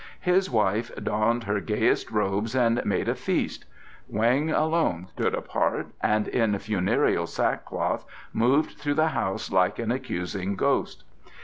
His wife donned her gayest robes and made a feast. Weng alone stood apart, and in funereal sackcloth moved through the house like an accusing ghost.